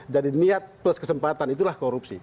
jadi niat plus kesempatan itulah korupsi